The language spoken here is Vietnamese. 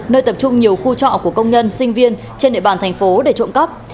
nơi tập trung nhiều khu trọ của công nhân sinh viên trên địa bàn thành phố để trộm cắp